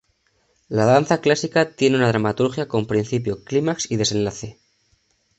La danza clásica tiene una dramaturgia con principio, clímax y desenlace.